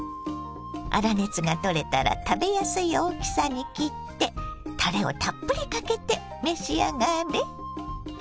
粗熱が取れたら食べやすい大きさに切ってたれをたっぷりかけて召し上がれ。